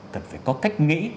cần phải có cách nghĩ